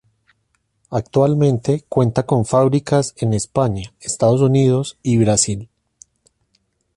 Actualmente cuenta con fábricas en España, Estados Unidos y Brasil.